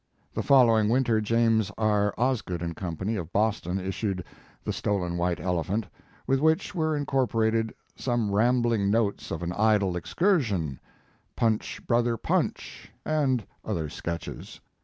The following winter James R. Osgood and Company, of Boston, issued "The Stolen White Ele phant," with which were incorporated "Some Rambling Notes of an Idle Ex cursion," "Punch, Brother, Punch," and other sketches.